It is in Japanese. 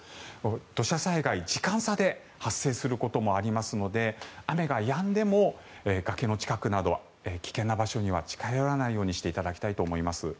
土砂災害、時間差で発生することもありますので雨がやんでも崖の近くなど危険な場所には近寄らないようにしていただきたいと思います。